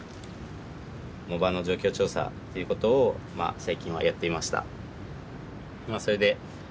藻場の状況調査っていうことを最近はやっていました。